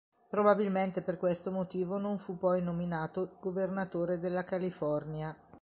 Probabilmente per questo motivo non fu poi nominato governatore della California.